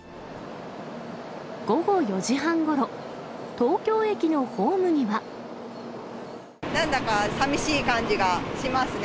午後４時半ごろ、東京駅のホなんだかさみしい感じがしますね。